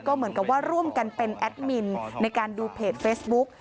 เหมือนกับว่าร่วมกันเป็นแอดมินในการดูเพจเฟซบุ๊ก